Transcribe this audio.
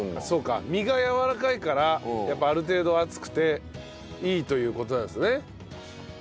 そうか身がやわらかいからやっぱある程度厚くていいという事なんですね。